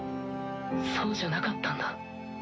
そうじゃなかったんだ。